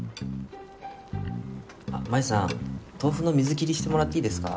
真夢さん豆腐の水切りしてもらっていいですか？